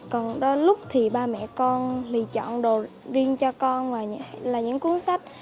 còn lúc thì ba mẹ con lì chọn đồ riêng cho con là những cuốn sách